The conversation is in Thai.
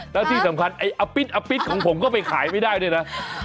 แล้วที่สำคัญไอ้อปิ๊ดอปิ๊ดของผมก็ไปขายไม่ได้ด้วยนะ